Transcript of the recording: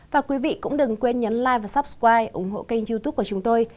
và quý vị cũng đừng quên nhấn like và subscribe ủng hộ kênh youtube của chúng tôi